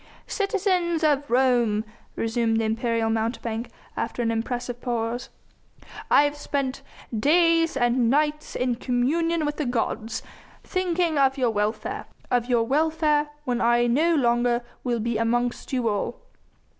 "Citizens of Rome," resumed the imperial mountebank after an impressive pause, "I have spent days and nights in communion with the gods, thinking of your welfare of your welfare when I no longer will be amongst you all.